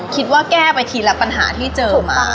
คิดว่าแก้ไปทีละปัญหาที่เจอมา